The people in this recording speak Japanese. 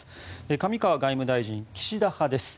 上川外務大臣、岸田派です。